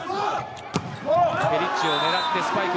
ペリッチを狙って、スパイク。